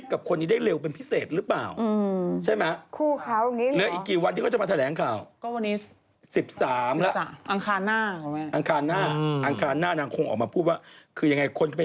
ไม่ได้สิทธิ์เขาก็มาทำงานไง